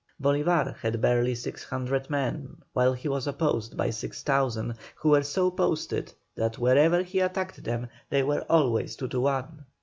Bolívar had barely 600 men, while he was opposed by 6,000, who were so posted that wherever he attacked them they were always two to one.